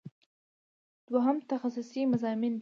دوهم تخصصي مضامین دي.